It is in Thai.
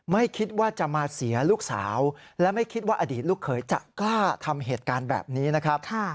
ไม่คิดว่าจะมาเสียลูกสาวและไม่คิดว่าอดีตลูกเขยจะกล้าทำเหตุการณ์แบบนี้นะครับ